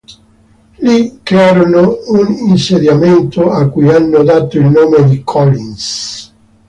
Lì, crearono un insediamento a cui hanno dato il nome di Collins.